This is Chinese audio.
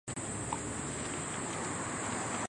案件最终被和解了。